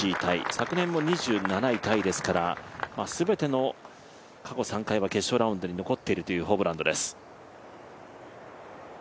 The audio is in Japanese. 昨年も２７位タイですから全ての過去３回は決勝ラウンドに残っているというホブランドです。